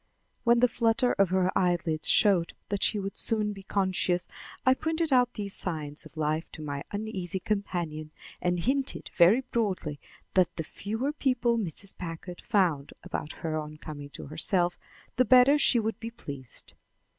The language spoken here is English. When the flutter of her eyelids showed that she would soon be conscious, I pointed out these signs of life to my uneasy companion and hinted very broadly that the fewer people Mrs. Packard found about her on coming to herself, the better she would be pleased.